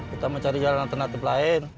kita mencari jalanan ternak tipe lain